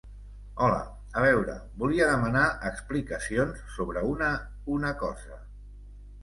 Hola, a veure, volia demanar explicacions sobre una una cosa.